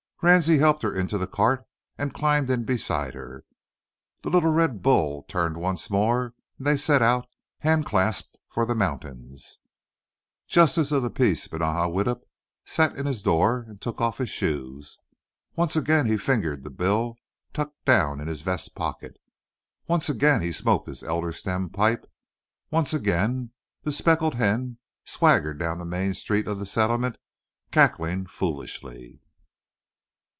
Ransie helped her into the cart, and climbed in beside her. The little red bull turned once more, and they set out, hand clasped, for the mountains. Justice of the peace Benaja Widdup sat in his door and took off his shoes. Once again he fingered the bill tucked down in his vest pocket. Once again he smoked his elder stem pipe. Once again the speckled hen swaggered down the main street of the "settlement," cackling foolishly.